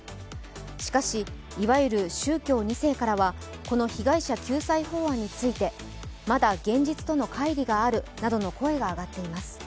しかし、いわゆる宗教２世からはこの被害者救済法案について、まだ現実とのかい離があるなどの声が上がっています。